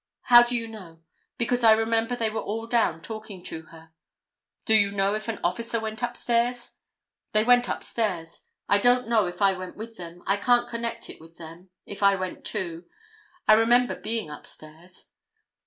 "How do you know?" "Because I remember they were all down talking to her." "Do you know if an officer went up stairs?" "They went up stairs. I don't know if I went with them. I can't connect it with them, if I went too. I remember being up stairs."